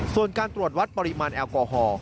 ส่วนการตรวจวัดปริมาณแอลกอฮอล์